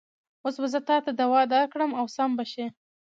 اوس به زه تاته دوا درکړم او سم به شې.